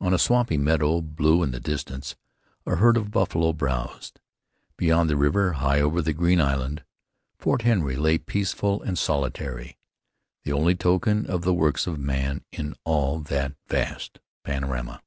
On a swampy meadow, blue in the distance, a herd of buffalo browsed. Beyond the river, high over the green island, Fort Henry lay peaceful and solitary, the only token of the works of man in all that vast panorama.